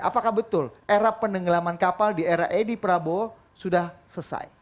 apakah betul era penenggelaman kapal di era edi prabowo sudah selesai